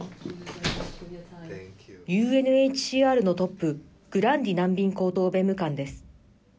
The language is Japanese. ＵＮＨＣＲのトップグランディ難民高等弁務官です。